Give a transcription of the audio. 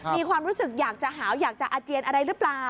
มีความรู้สึกอยากจะหาวอยากจะอาเจียนอะไรหรือเปล่า